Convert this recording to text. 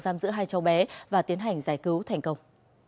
giam giữ hai cháu bé và tiến hành giải cứu thành công